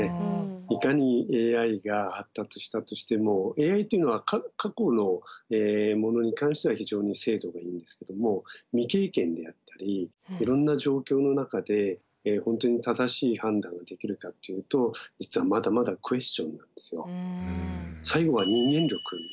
いかにＡＩが発達したとしてもＡＩっていうのは過去のものに関しては非常に精度がいいんですけども未経験であったりいろんな状況の中で本当に正しい判断ができるかっていうと実はまだまだクエスチョンなんですよ。